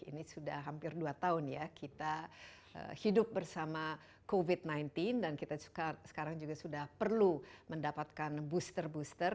ini sudah hampir dua tahun ya kita hidup bersama covid sembilan belas dan kita sekarang juga sudah perlu mendapatkan booster booster